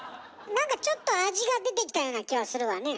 何かちょっと味が出てきたような気はするわね。